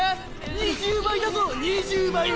２０倍だぞ２０倍！